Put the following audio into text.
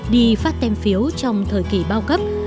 đi phát tem phiếu trong thời kỳ bao cấp